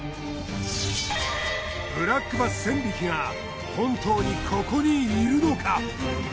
ブラックバス１，０００匹が本当にここにいるのか？